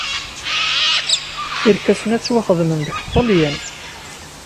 Irkasen-a ttwaxedmen deg Ṭṭalyan.